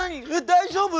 大丈夫？